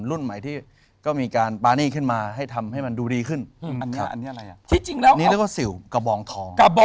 อุ๊ยเอาไว้ทำอะไรกระบองทอง